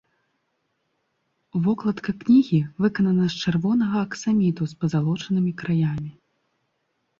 Вокладка кнігі выканана з чырвонага аксаміту з пазалочанымі краямі.